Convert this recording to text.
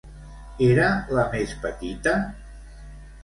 Era la més petita?